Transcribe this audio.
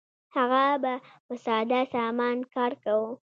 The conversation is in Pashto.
هغه به په ساده سامان کار کاوه.